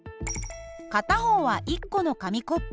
片方は１個の紙コップ。